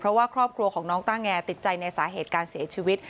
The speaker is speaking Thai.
เพราะว่าครอบครัวของน้องต้าแงติดใจในสาเหตุการเสียชีวิต